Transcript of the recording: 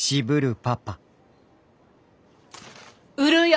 売るよ！